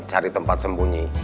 cari tempat sembunyi